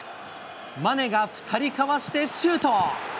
マネが２人かわしてシュート。